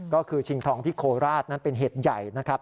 ก็คือชิงทองที่โคราชนั้นเป็นเหตุใหญ่นะครับ